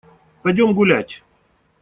Пойдем гулять!